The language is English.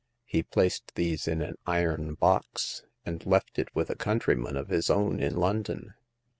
He placed these in an iron box, and left it with a countryman of his own in London.